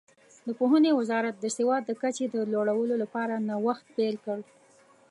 د پوهنې وزارت د سواد د کچې د لوړولو لپاره نوښت پیل کړ.